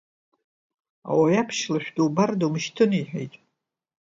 Ауаҩаԥшь лашә дубар думшьҭын, иҳәит.